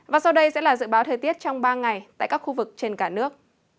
và sau đây sẽ là dự báo thời tiết trong ba ngày tại các khu vực trên cả nước